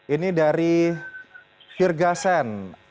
ini dari hirgasen